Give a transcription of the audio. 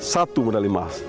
satu medali emas